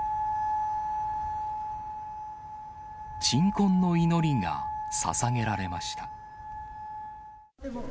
鎮魂の祈りがささげられました。